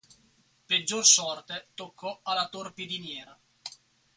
Peggior sorte toccò alla torpediniera.